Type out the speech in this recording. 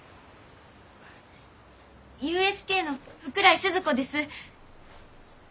ＵＳＫの福来スズ子です。